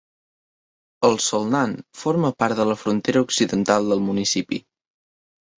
El Solnan forma part de la frontera occidental del municipi.